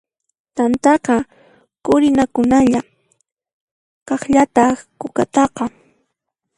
T'antataqa qurinakunalla, kaqllataq kukataqa.